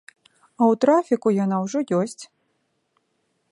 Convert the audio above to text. А ў трафіку яна ўжо ёсць.